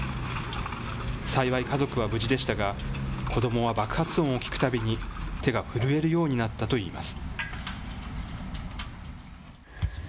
幸い、家族は無事でしたが、子どもは爆発音を聞くたびに、手が震えるようになったといいます。